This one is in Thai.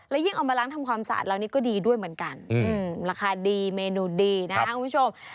ยิ่งเอามาล้างทำความสะอาดเรานี่ก็ดีด้วยเหมือนกันราคาดีเมนูดีนะครับคุณผู้ชม